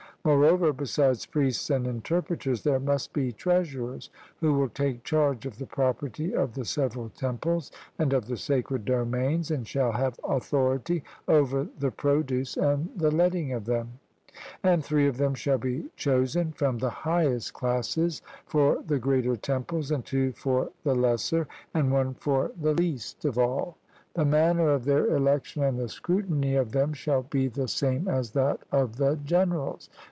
Moreover, besides priests and interpreters, there must be treasurers, who will take charge of the property of the several temples, and of the sacred domains, and shall have authority over the produce and the letting of them; and three of them shall be chosen from the highest classes for the greater temples, and two for the lesser, and one for the least of all; the manner of their election and the scrutiny of them shall be the same as that of the generals.